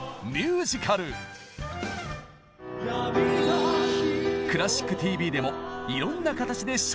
「クラシックＴＶ」でもいろんな形で紹介してきましたよね。